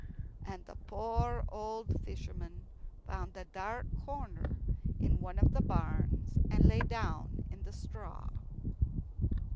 And the poor old fisherman found a dark corner in one of the barns, and lay down in the straw.